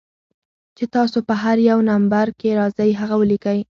چې تاسو پۀ هر يو نمبر کښې راځئ هغه وليکئ